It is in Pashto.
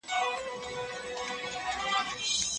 سانسور مطالعه وژني او پرمختګ ټکنی کوي.